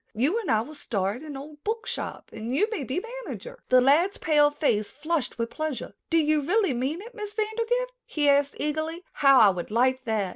You and I will start an old book shop and you may be manager." The lad's pale face flushed with pleasure. "Do you really mean it, Miss Vandergrift?" he asked eagerly. "How I would like that."